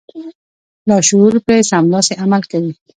لاشعور پرې سملاسي عمل کوي.